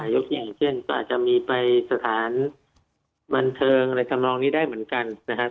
ยกอย่างเช่นก็อาจจะมีไปสถานบันเทิงอะไรทำนองนี้ได้เหมือนกันนะครับ